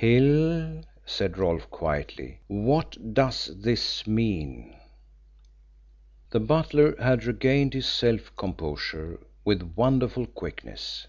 "Hill," said Rolfe quietly, "what does this mean?" The butler had regained his self composure with wonderful quickness.